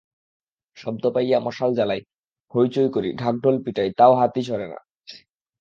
শব্দ পাইয়া মশাল জ্বালাই, হইচই করি, ঢাকঢোল পিডাই, তাও হাতি সরে না।